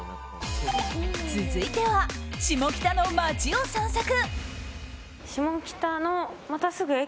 続いては、下北の街を散策。